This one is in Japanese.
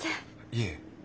いえ。